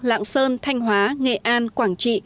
lạng sơn thanh hóa nghệ an quảng trị